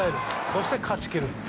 そして勝ち切る。